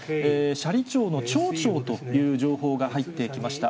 斜里町の町長という情報が入ってきました。